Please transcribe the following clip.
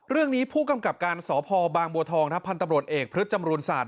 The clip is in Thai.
เรื่องนี้ผู้กำกับการสพบางบัวทองพันธบรวจเอกพฤษจำรูนศาสต